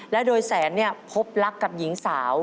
และโดยแสนพบรักกับหญิงสาว